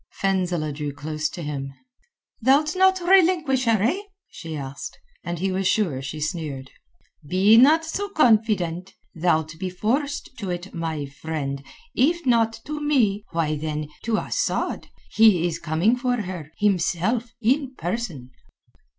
Fenzileh drew close to him. "Thou'lt not relinquish her, eh?" she asked, and he was sure she sneered. "Be not so confident. Thou'lt be forced to it, my friend—if not to me, why then, to Asad. He is coming for her, himself, in person."